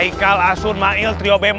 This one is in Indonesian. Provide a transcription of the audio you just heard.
haikal asunmail triobetan